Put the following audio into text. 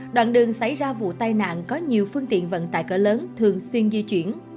đoạn đường xảy ra vụ tai nạn có nhiều phương tiện vận tải cỡ lớn thường xuyên di chuyển